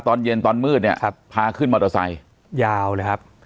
ตอนเย็นตอนมืดเนี่ยครับพาขึ้นมอเตอร์ไซค์ยาวเลยครับ